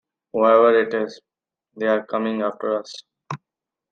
Whoever it is, they are coming after us.